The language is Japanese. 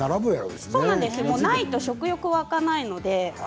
ないと食欲が湧かないので。